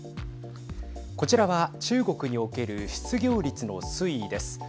こちらは、中国における失業率の推移です。